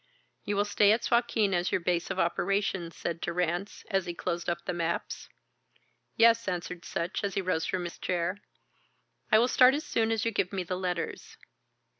"You will stay at Suakin as your base of operations," said Durrance, as he closed up the maps. "Yes," answered Sutch, and he rose from his chair. "I will start as soon as you give me the letters."